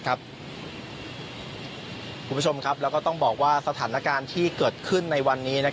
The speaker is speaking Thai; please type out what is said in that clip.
คุณผู้ชมครับแล้วก็ต้องบอกว่าสถานการณ์ที่เกิดขึ้นในวันนี้